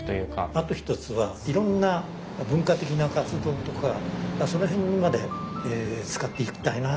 あと一つはいろんな文化的な活動とかその辺まで使っていきたいな。